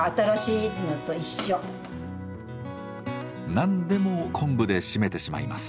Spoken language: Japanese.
何でも昆布で締めてしまいます。